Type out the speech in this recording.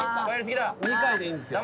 ２回でいいんですよ。